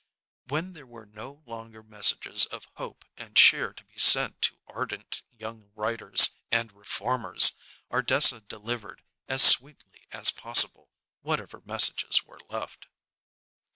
When there were no longer messages of hope and cheer to be sent to ardent young writers and reformers, Ardessa delivered, as sweetly as possible, whatever messages were left.